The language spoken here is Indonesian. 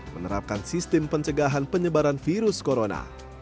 menerapkan sistem pencegahan penyebaran virus corona